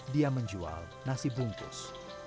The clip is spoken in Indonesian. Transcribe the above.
dia menjual nasi bungkus